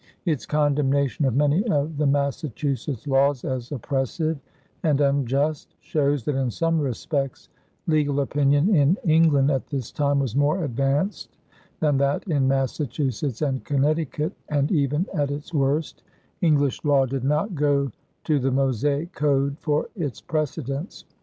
Its condemnation of many of the Massachusetts laws as oppressive and unjust shows that in some respects legal opinion in England at this time was more advanced than that in Massachusetts and Connecticut, and, even at its worst, English law did not go to the Mosaic code for its precedents.